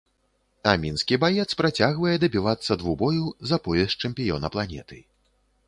А мінскі баец працягвае дабівацца двубою за пояс чэмпіёна планеты.